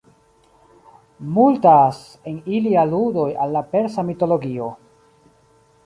Multas en ili aludoj al la persa mitologio.